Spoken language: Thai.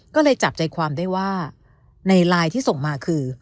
ก็เลยจับใจความได้ว่าในไลน์ที่ส่งมาคือ